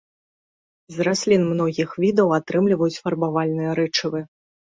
З раслін многіх відаў атрымліваюць фарбавальныя рэчывы.